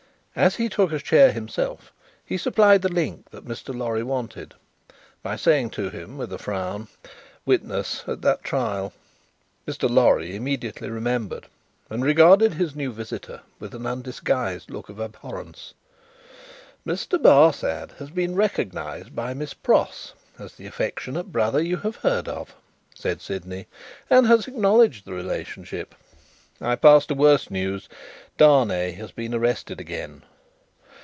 As he took a chair himself, he supplied the link that Mr. Lorry wanted, by saying to him with a frown, "Witness at that trial." Mr. Lorry immediately remembered, and regarded his new visitor with an undisguised look of abhorrence. "Mr. Barsad has been recognised by Miss Pross as the affectionate brother you have heard of," said Sydney, "and has acknowledged the relationship. I pass to worse news. Darnay has been arrested again."